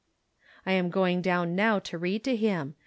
I am going down now to read to him.